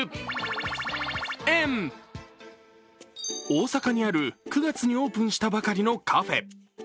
大阪にある９月にオープンしたばかりのカフェ。